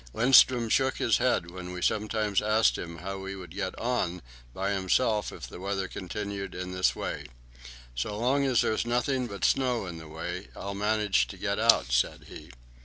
Lindström shook his head when we sometimes asked him how he would get on by himself if the weather continued in this way. "So long as there's nothing but snow in the way, I'll manage to get out," said he.